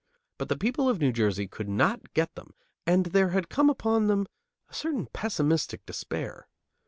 But the people of New Jersey could not get them, and there had come upon them a certain pessimistic despair.